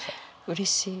うれしい。